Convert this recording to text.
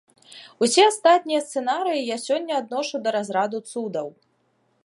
Усе астатнія сцэнарыі я сёння адношу да разраду цудаў.